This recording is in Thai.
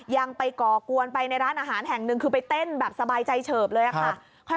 ยังไปก่อกวนไปในร้านอาหารแห่งหนึ่งคือไปเต้นแบบสบายใจเฉิบเลยค่ะ